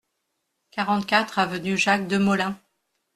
quarante-quatre avenue Jacques Demolin